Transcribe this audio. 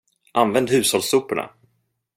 Använd hushållssoporna!